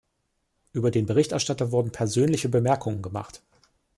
Über den Berichterstatter wurden persönliche Bemerkungen gemacht.